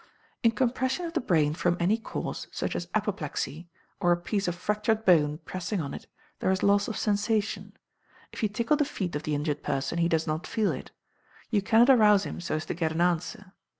In compression of the brain from any cause, such as apoplexy, or a piece of fractured bone pressing on it, there is loss of sensation. If you tickle the feet of the injured person he does not feel it. You cannot arouse him so as to get an answer.